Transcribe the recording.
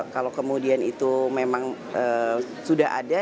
kalau kemudian itu memang sudah ada